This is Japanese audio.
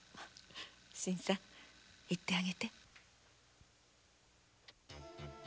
新さん行ってあげて。